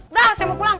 udah saya mau pulang